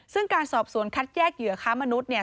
ซึ่งการสอบสวนคัดแยกเหยื่อค้ามนุษย์เนี่ย